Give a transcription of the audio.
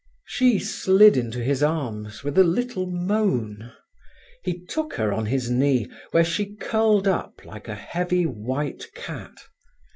She slid into his arms with a little moan. He took her on his knee, where she curled up like a heavy white cat.